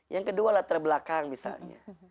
yang kedua latar belakang misalnya